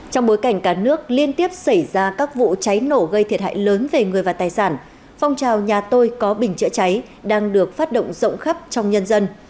trong bối cảnh cả nước liên tiếp xảy ra các vụ cháy nổ gây thiệt hại lớn về người và tài sản phong trào nhà tôi có bình chữa cháy đang được phát động rộng khắp trong nhân dân